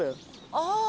ああ！